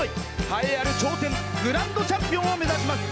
栄えある頂点グランドチャンピオンを目指します。